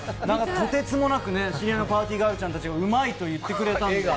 とてつもなく知り合いのパーティーガールちゃんたちがうまい！と言ってくれたので。